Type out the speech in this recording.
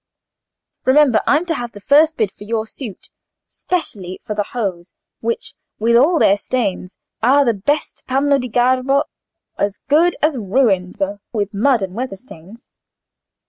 Remember, I'm to have the first bid for your suit, specially for the hose, which, with all their stains, are the best panno di garbo—as good as ruined, though, with mud and weather stains."